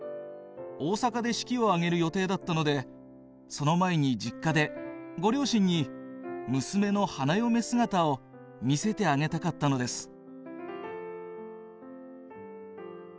大阪で式をあげる予定だったので、その前に実家でご両親に娘の花嫁姿を見せてあげたかったのです」。